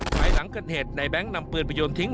ไปหลังเกิดเหตุนายแบงค์นำเปลือนไปโยนทิ้ง